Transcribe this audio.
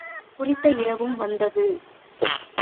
குறித்த இரவும் வந்தது.